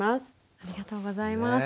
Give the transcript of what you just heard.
ありがとうございます。